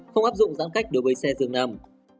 không áp dụng giãn cách đối với xe dường nằm